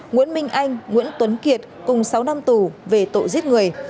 nguyễn minh anh nguyễn tuấn kiệt cùng sáu năm tù về tội giết người